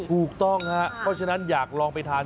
ถูกต้องครับเพราะฉะนั้นอยากลองไปทาน